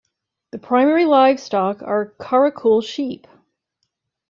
The primary livestock are Karakul sheep.